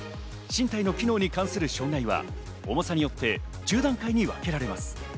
身体の機能に関する障害は重さによって１０段階に分けられます。